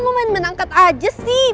lo main main angkat aja sih